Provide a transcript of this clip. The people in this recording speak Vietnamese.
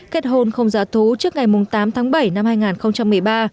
kết hôn không giá thú trước ngày tám tháng bảy năm hai nghìn một mươi ba